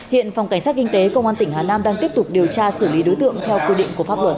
hiện phòng cảnh sát kinh tế công an tỉnh hà nam đang tiếp tục điều tra xử lý đối tượng theo quy định của pháp luật